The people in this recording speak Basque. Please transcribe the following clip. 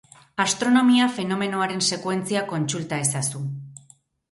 Astronomia fenomenoaren sekuentzia kontsulta ezazu.